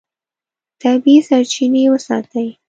طبیعي سرچینې وساتئ.